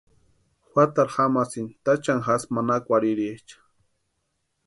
Juatarhu jamasïnti táchani jasï manakwarhiriecha.